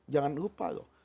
jangan lupa loh